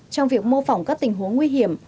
trong việc mô phỏng các tình huống nguy hiểm